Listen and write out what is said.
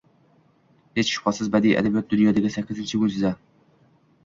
Hech shubhasiz, badiiy adabiyot-dunyodagi sakkizinchi mo’jiza!